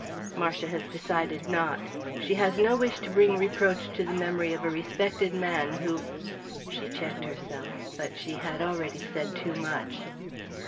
"Marcia has decided not; she has no wish to bring reproach to the memory of a respected man, who " She checked herself but she had already said too much.